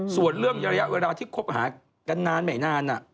ส่วนเรื่องระยะเวลาที่คบหากันนานไม่นาน